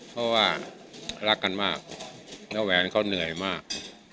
เพราะว่ารักกันมากแล้วแหวนเขาเหนื่อยมาก